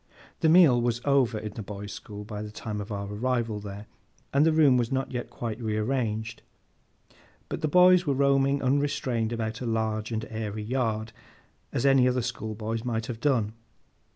The meal was over, in the boys' school, by the time of our arrival there, and the room was not yet quite rearranged; but the boys were roaming unrestrained about a large and airy yard, as any other schoolboys might have done.